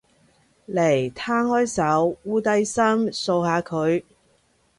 嚟，攤開手，摀低身，掃下佢